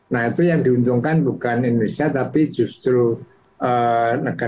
nah itu yang diuntungkan bukan indonesia tapi justru negara